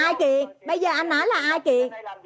ai kiện bây giờ anh nói là ai kiện